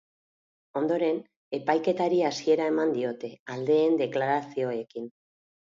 Ondoren, epaiketari hasiera eman diote, aldeen deklarazioekin.